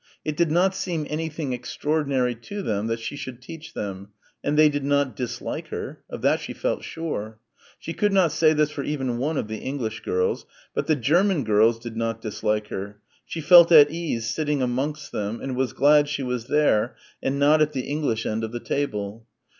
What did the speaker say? It did not seem anything extraordinary to them that she should teach them; and they did not dislike her. Of that she felt sure. She could not say this for even one of the English girls. But the German girls did not dislike her. She felt at ease sitting amongst them and was glad she was there and not at the English end of the table.